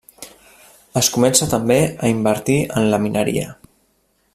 Es comença també a invertir en la mineria.